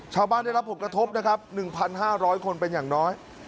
ชาวบ้านได้รับผลกระทบนะครับหนึ่งพันห้าร้อยคนเป็นอย่างน้อย